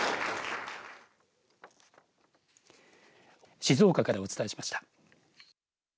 静岡からお伝えしました。